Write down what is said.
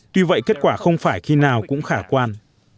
tuy vậy kết quả không phải khi nào cũng khả quan